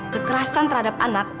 kekerasan terhadap anak